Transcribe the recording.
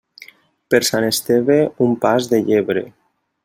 Per Sant Esteve, un pas de llebre.